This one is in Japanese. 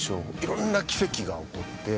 いろんな奇跡が起こって。